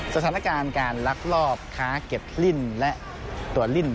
สถานการณ์การลักลอบค้าเก็บลิ้นและตัวลิ่น